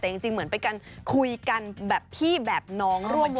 แต่จริงเหมือนเป็นการคุยกันแบบพี่แบบน้องร่วมกัน